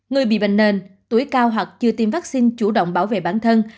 người bị bệnh nền tuổi cao hoặc chưa tiêm vaccine chủ động bảo vệ bản thân